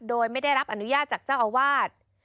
โดยไม่ได้รับอนุญาตจากเจ้าอาวาส